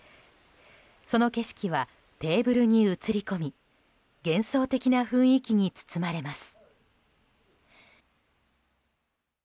その景色はテーブルに映り込み幻想的な雰囲気に包まれます。